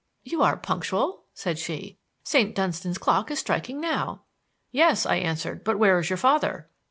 "You are punctual," said she. "St. Dunstan's clock is striking now." "Yes," I answered. "But where is your father?"